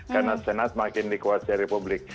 karena senat makin dikuasai republik